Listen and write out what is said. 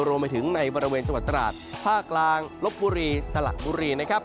รวมไปถึงในบริเวณจังหวัดตราดภาคกลางลบบุรีสลักบุรีนะครับ